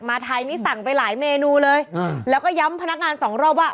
ไทยนี่สั่งไปหลายเมนูเลยแล้วก็ย้ำพนักงานสองรอบว่า